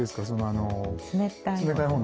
冷たいほう。